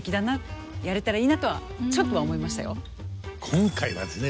今回はですね